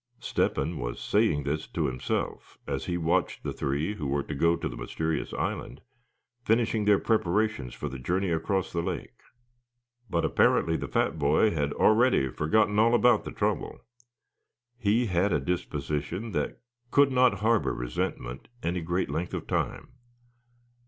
Step hen was saying this to himself as he watched the three, who were to go to the mysterious island, finishing their preparations for the journey across the lake. But apparently the fat boy had already forgotten all about the trouble. He had a disposition that could not harbor resentment any great length of time.